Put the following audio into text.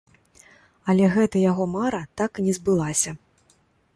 Але гэта яго мара так і не збылася.